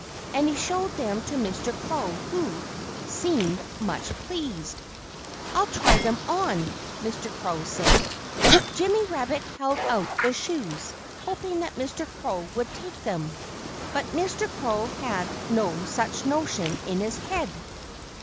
And he showed them to Mr. Crow, who seemed much pleased. "I'll try them on," Mr. Crow said. Jimmy Rabbit held out the shoes, hoping that Mr. Crow would take them. But Mr. Crow had no such notion in his head.